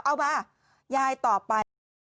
เอามายายตอบไป